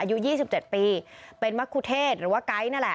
อายุยี่สิบเจ็บปีเป็นมค์ธเทศหรือว่าไก้ต์นั่นแหละ